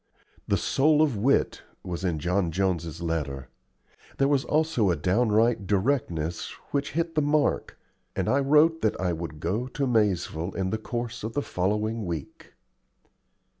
"The soul of wit" was in John Jones's letter. There was also a downright directness which hit the mark, and I wrote that I would go to Maizeville in the course of the following week.